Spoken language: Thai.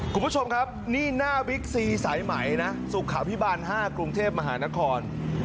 คุณผู้ชมครับนี่หน้าบิ๊กซีสายไหมนะสุขาพิบาล๕กรุงเทพมหานคร